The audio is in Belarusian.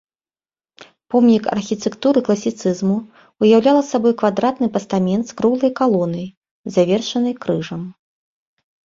Помнік архітэктуры класіцызму, уяўляла сабой квадратны пастамент з круглай калонай, завершанай крыжам.